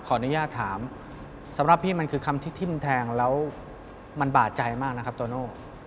ขออนุญาตถามสำหรับพี่มันคือคำที่ทิ้มแทงแล้วมันบาดใจมากนะครับโตโน่